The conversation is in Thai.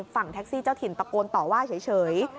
ฝั่งแท็กซี่เจ้าถิ่นตะโกนต่อว่าเฉย